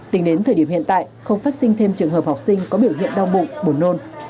tính đến thời điểm hiện tại không phát sinh thêm trường hợp học sinh có biểu hiện đau bụng buồn nôn